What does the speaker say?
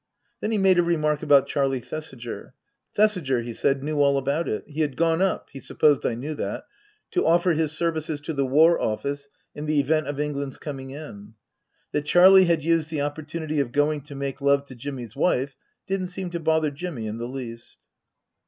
Then he made a remark about Charlie Thesiger. Thesiger, he said, knew all about it. He had gone up he supposed I knew that ? to offer his services to the War Office in the event of England's coming in. That Charlie had used the opportunity of going to make love to Jimmy's wife didn't seem to bother Jimmy in the least.